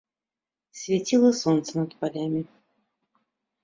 Свяціла сонца над палямі.